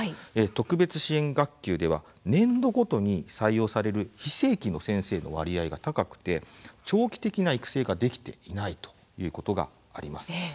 特別支援学級では年度ごとに採用される非正規の先生の割合が高くて長期的な育成ができていないということがあります。